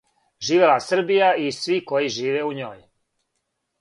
Живела Србија и сви који живе у њој!